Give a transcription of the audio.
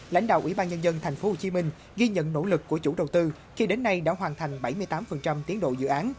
lãnh đạo ubnd tp hcm ghi nhận nỗ lực của chủ đầu tư khi đến nay đã hoàn thành bảy mươi tám tiến độ dự án